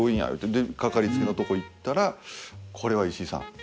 でかかりつけのとこ行ったらこれは石井さん